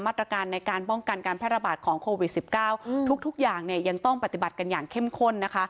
มาตรการในการป้องกันการแพร่ระบาดของโควิด๑๙ทุกอย่างเนี่ยยังต้องปฏิบัติกันอย่างเข้มข้นนะคะ